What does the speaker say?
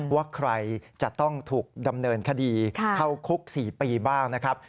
ว่าใครจะต้องถูกดำเนินคดีเข้าคุก๔ปีบ้างนะครับ